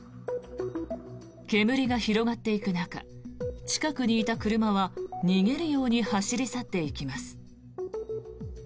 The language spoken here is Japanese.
煙が広がっていく中近くにいた車は逃げるように走り去っていきます。